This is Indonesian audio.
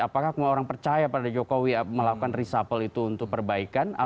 apakah orang percaya pada jokowi melakukan riset hafal itu untuk perbaikan atau